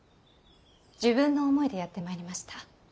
自分の思いでやって参りました。